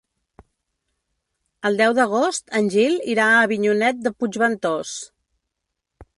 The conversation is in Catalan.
El deu d'agost en Gil irà a Avinyonet de Puigventós.